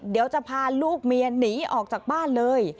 เดี๋ยวจะพาลูกเมียหนีออกจากบ้านเลย